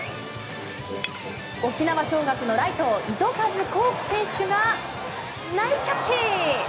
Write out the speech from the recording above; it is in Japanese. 沖縄尚学のライト糸数幸輝選手がナイスキャッチ。